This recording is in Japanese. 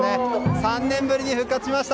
３年ぶりに復活しました。